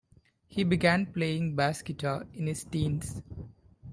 He began playing bass guitar in his teens.